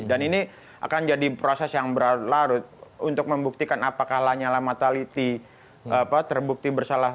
dan ini akan jadi proses yang berlarut untuk membuktikan apakah lanyala mateliti terbukti bersalah